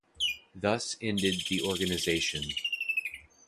Thus ended The Organization.